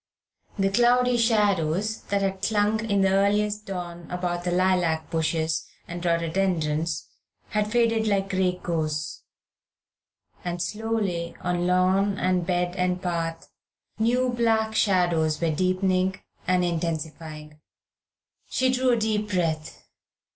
The cloudy shadows that had clung in the earliest dawn about the lilac bushes and rhododendrons had faded like grey ghosts, and slowly on lawn and bed and path new black shadows were deepening and intensifying. She drew a deep breath.